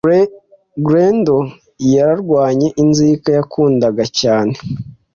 Grendel iyararwanye inzika yakundaga cyane